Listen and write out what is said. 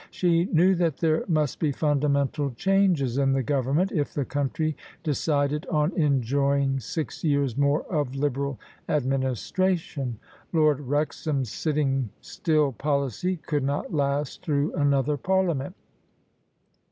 She knew that there must be fundamental changes in the Government if the country decided on enjoying six years more of Liberal administration: Lord Wrexham's sitting still policy could not last through another Parliament.